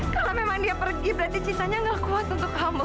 kalau memang dia pergi berarti cintanya nggak kuat untuk kamu sayang